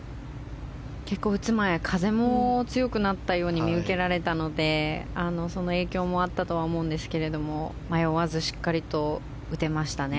打つ前、風も強くなったように見受けられたのでその影響もあったとは思うんですけれども迷わずしっかりと打てましたね。